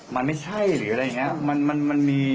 มันไม่ใช่หรืออะไรอย่างนี้